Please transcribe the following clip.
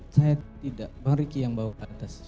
saya tidak bang riki yang bawa ke atas